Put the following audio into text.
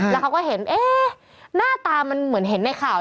แล้วเขาก็เห็นเอ๊ะหน้าตามันเหมือนเห็นในข่าว